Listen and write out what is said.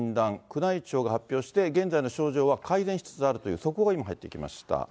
宮内庁が発表して、現在の症状は改善しつつあるという、速報が今、入ってきました。